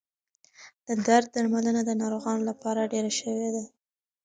د درد درملنه د ناروغانو لپاره ډېره شوې ده.